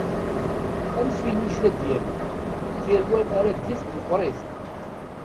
Anef i yinijjel ad yali, tirwal ar ad yefk meqqeṛit.